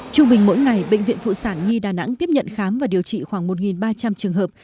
trung bình mỗi ngày bệnh viện phụ sản nhi đà nẵng tiếp nhận khám và điều trị khoảng một ba trăm linh trường hợp